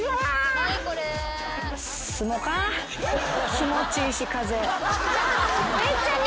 気持ちいいし風。